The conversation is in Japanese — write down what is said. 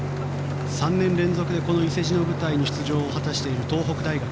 ３年連続で伊勢路の舞台に出場を果たしている東北大学。